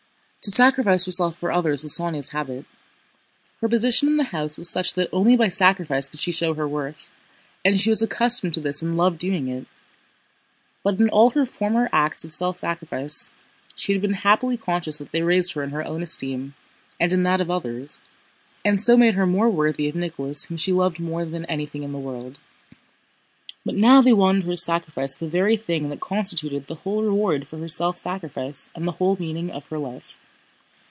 To sacrifice herself for others was Sónya's habit. Her position in the house was such that only by sacrifice could she show her worth, and she was accustomed to this and loved doing it. But in all her former acts of self sacrifice she had been happily conscious that they raised her in her own esteem and in that of others, and so made her more worthy of Nicholas whom she loved more than anything in the world. But now they wanted her to sacrifice the very thing that constituted the whole reward for her self sacrifice and the whole meaning of her life.